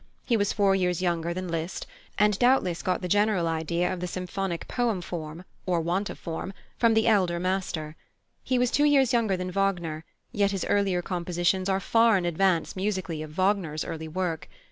He was four years younger than Liszt, and doubtless got the general idea of the symphonic poem form, or want of form, from the elder master. He was two years younger than Wagner, yet his earlier compositions are far in advance, musically, of Wagner's early work.